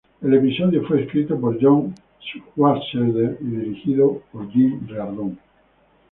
El episodio fue escrito por John Swartzwelder, y dirigido por Jim Reardon.